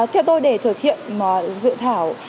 theo tôi để thực hiện dự thảo